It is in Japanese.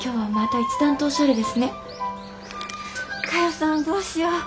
さんどうしよう。